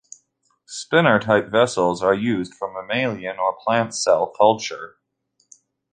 Spinner type vessels are used for mammalian or plant cell culture.